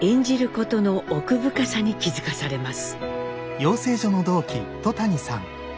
ことの奥深さに気付かされます。